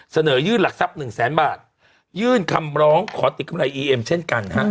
เสนอยื่นหลักทรัพย์หนึ่งแสนบาทยื่นคำร้องขอติดกำไรอีเอ็มเช่นกันฮะ